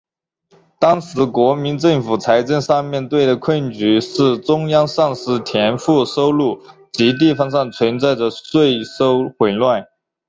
当时国民政府财政上面对的困局是中央丧失田赋收入及地方上存在着税收混乱。